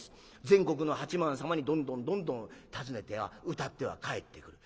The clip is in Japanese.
全国の八幡様にどんどんどんどん訪ねては歌っては帰ってくる。